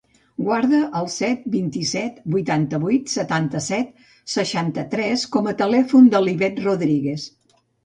Guarda el set, vint-i-set, vuitanta-vuit, setanta-set, seixanta-tres com a telèfon de l'Ivette Rodrigues.